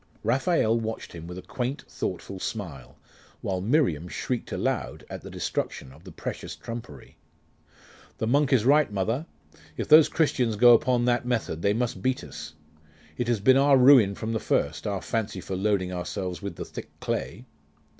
Raphael watched him with a quaint thoughtful smile, while Miriam shrieked aloud at the destruction of the precious trumpery. 'The monk is right, mother. If those Christians go on upon that method, they must beat us. It has been our ruin from the first, our fancy for loading ourselves with the thick clay.